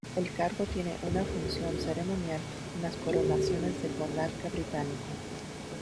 El cargo tiene una función ceremonial en las coronaciones del monarca británico.